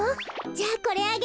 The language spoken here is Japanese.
じゃあこれあげる。